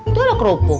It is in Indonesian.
itu ada kerupuk